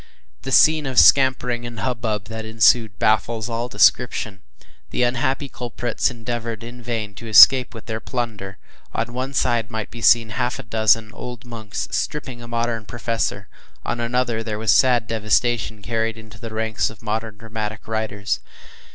The scene of scampering and hubbub that ensued baffles all description. The unhappy culprits endeavored in vain to escape with their plunder. On one side might be seen half a dozen old monks, stripping a modern professor; on another, there was sad devastation carried into the ranks of modern dramatic writers.